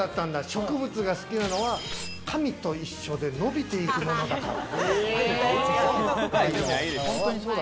植物が好きなのは、髪と一緒で伸びていくものだから。